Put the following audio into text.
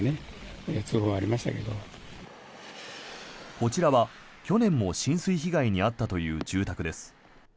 こちらは、去年も浸水被害に遭ったという住宅です。